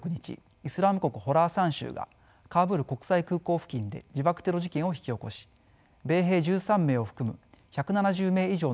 イスラーム国ホラーサーン州がカブール国際空港付近で自爆テロ事件を引き起こし米兵１３名を含む１７０名以上の死者を出しました。